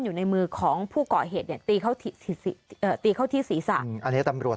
อยู่ในมือของผู้ก่อเหตุเนี่ยตีเขาตีเข้าที่ศีรษะอันนี้ตำรวจ